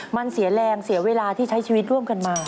มันเสียแรงเสียเวลาที่ใช้ชีวิตร่วมกันมา